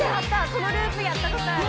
このループやったことある。